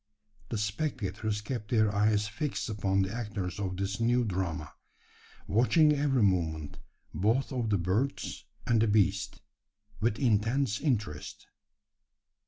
The spectators kept their eyes fixed upon the actors of this new drama watching every movement, both of the birds and the beast, with intense interest.